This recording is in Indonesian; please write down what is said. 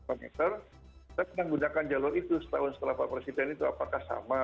saya menggunakan jalur itu setahun setelah pak presiden itu apakah sama